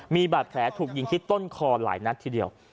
มีบาดแผลถูกยิงที่ต้นคอหลายนัดทีเดียว